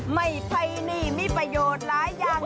ไม่ใช้หนี้มีประโยชน์หลายอย่าง